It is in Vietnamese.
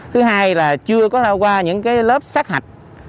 thứ hai là chưa có đào qua những lớp sát hạch